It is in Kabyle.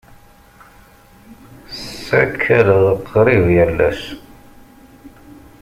Ssakaleɣ qrib yal ass.